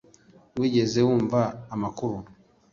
wigeze wumva amakuru